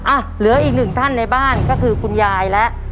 อ่ะเหลืออีกหนึ่งท่านในบ้านก็คือคุณยายและ